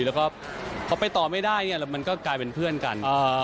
แล้วก็พอไปต่อไม่ได้เนี่ยมันก็กลายเป็นเพื่อนกัน